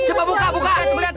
coba buka bukaan itu lihat